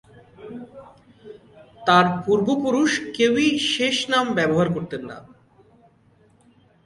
তার পূর্বপুরুষ কেউই শেষ নাম ব্যবহার করতেন না।